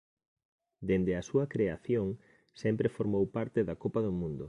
Dende a súa creación sempre formou parte da Copa do Mundo.